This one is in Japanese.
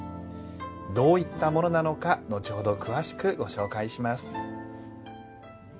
どういったものなのか後ほど詳しくご紹介します。